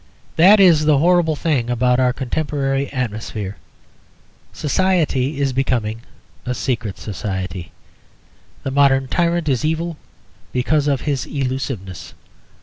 That is the horrible thing about our contemporary atmosphere. Society is becoming a secret society. The modern tyrant is evil because of his elusiveness.